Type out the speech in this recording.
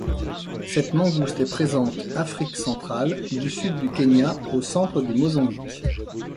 Cette mangouste est présente Afrique centrale, du Sud du Kenya au centre du Mozambique.